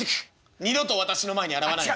「二度と私の前に現れないで」。